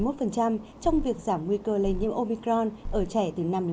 trong việc giảm nguy cơ lây nhiễm omicron ở trẻ từ năm đến một mươi một tuổi